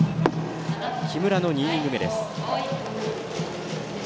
木村の２イニング目です。